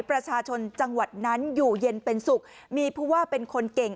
ประชาชนจังหวัดนั้นอยู่เย็นเป็นสุขมีผู้ว่าเป็นคนเก่ง